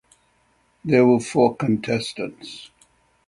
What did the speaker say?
There were four contestants.